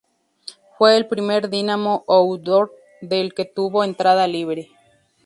Fue el primer Dynamo Outdoor el que tuvo entrada liberada.